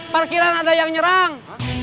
parkiran ada yang nyerang